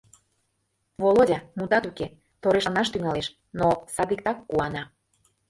Володя, мутат уке, торешланаш тӱҥалеш, но садиктак куана...